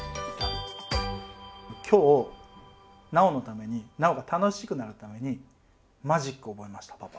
今日尚のために尚が楽しくなるためにマジックを覚えましたパパ。